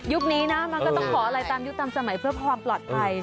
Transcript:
นี้นะมันก็ต้องขออะไรตามยุคตามสมัยเพื่อความปลอดภัย